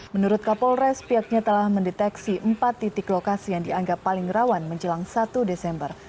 menurut kapolres pihaknya telah mendeteksi empat titik lokasi yang dianggap paling rawan menjelang satu desember